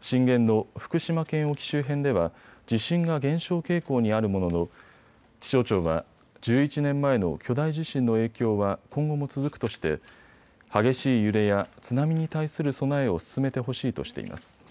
震源の福島県沖周辺では地震が減少傾向にあるものの気象庁は、１１年前の巨大地震の影響は今後も続くとして激しい揺れや津波に対する備えを進めてほしいとしています。